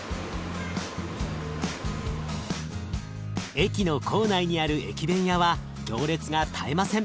駅の構内にある駅弁屋は行列が絶えません。